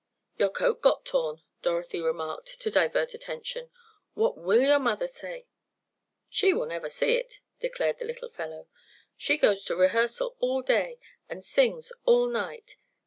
"Your coat got torn," Dorothy remarked to divert attention. "What will your mother say?" "She will never see it," declared the little fellow. "She goes to rehearsal all day and sings all night.